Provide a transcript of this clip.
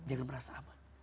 jangan merasa aman